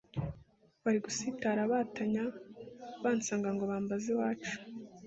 Bari gusitara Batanya bansanga Ngo bambaze iwacu